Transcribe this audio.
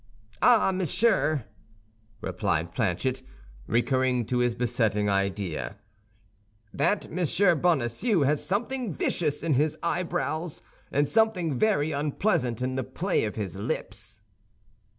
"Ah, monsieur!" replied Planchet, recurring to his besetting idea, "that Monsieur Bonacieux has something vicious in his eyebrows, and something very unpleasant in the play of his lips."